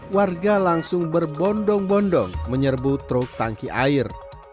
warga langsung berbondong bondong menyerbu truk tangki air